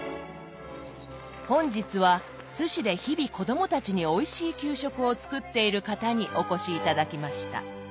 本日は津市で日々子供たちにおいしい給食を作っている方にお越し頂きました。